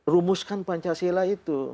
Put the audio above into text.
rumuskan pancasila itu